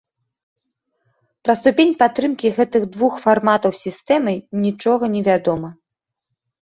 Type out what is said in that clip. Пра ступень падтрымкі гэтых двух фарматаў сістэмай нічога не вядома.